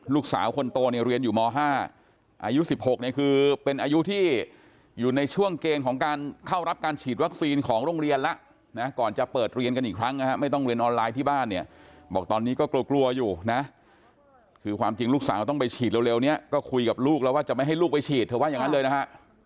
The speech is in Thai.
ลูกสาวคนโตเนี่ยเรียนอยู่ม๕อายุ๑๖เนี่ยคือเป็นอายุที่อยู่ในช่วงเกณฑ์ของการเข้ารับการฉีดวัคซีนของโรงเรียนแล้วนะก่อนจะเปิดเรียนกันอีกครั้งนะฮะไม่ต้องเรียนออนไลน์ที่บ้านเนี่ยบอกตอนนี้ก็กลัวกลัวอยู่นะคือความจริงลูกสาวต้องไปฉีดเร็วนี้ก็คุยกับลูกแล้วว่าจะไม่ให้ลูกไปฉีดเธอว่าอย่างนั้นเลยนะฮะ